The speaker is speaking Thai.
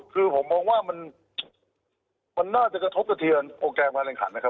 คือผมมองว่ามันน่าจะกระทบสถินโอกแกรมมากี่รายการนะคะ